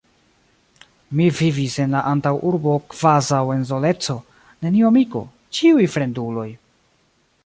Mi vivis en la antaŭurbo kvazaŭ en soleco, neniu amiko, ĉiuj fremduloj!